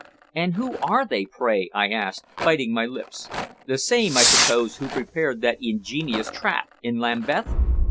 "And who are they, pray?" I asked, biting my lips. "The same, I suppose, who prepared that ingenious trap in Lambeth?"